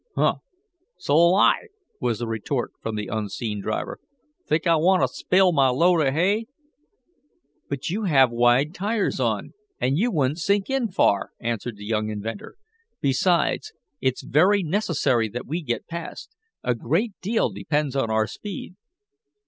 "Huh! So'll I," was the retort from the unseen driver.. "Think I want t' spile my load of hay?" "But you have wide tires on, and you wouldn't sink in far," answered the young inventor. "Besides, it's very necessary that we get past. A great deal depends on our speed."